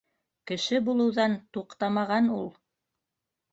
Кеше булыуҙан туҡтамаған ул!